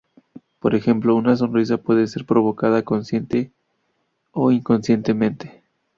Por ejemplo, una sonrisa puede ser provocada consciente o inconscientemente.